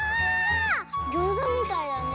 ギョーザみたいだね。